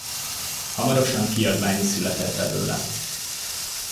Hamarosan kiadvány is született belőle.